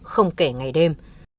không kể ngày đêm